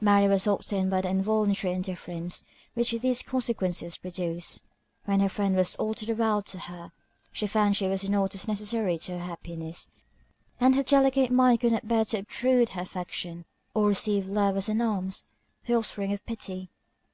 Mary was often hurt by the involuntary indifference which these consequences produced. When her friend was all the world to her, she found she was not as necessary to her happiness; and her delicate mind could not bear to obtrude her affection, or receive love as an alms, the offspring of pity.